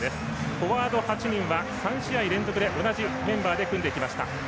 フォワード８人は３試合連続で同じメンバーで組んできました。